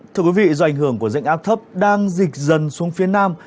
thưa quý vị do ảnh hưởng của dạnh áp thấp đang dịch dần xuống phía nam